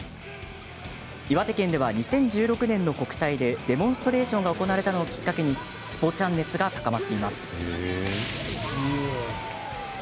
岩手県では、２０１６年の国体でデモンストレーションが行われたのをきっかけにスポチャン熱が高まっているのです。